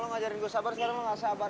lu ngajarin gue sabar sekarang lu gak sabar